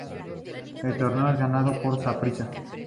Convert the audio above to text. El torneo es ganado por Saprissa.